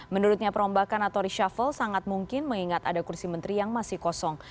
menurutnya perombakan atau reshuffle sangat mungkin mengingat ada kursi menteri yang masih kosong